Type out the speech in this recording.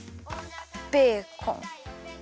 ベーコン。